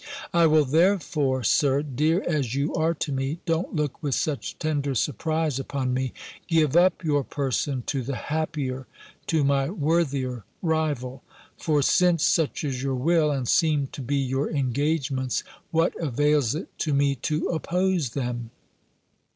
"I will therefore. Sir, dear as you are to me (Don't look with such tender surprise upon me!) give up your person to the happier, to my worthier rival. For since such is your will, and seem to be your engagements, what avails it to me to oppose them?